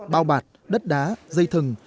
bao bạc đất đá dây thừng